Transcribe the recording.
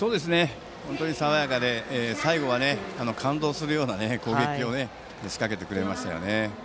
本当に爽やかで最後は感動するような攻撃を仕掛けてくれましたよね。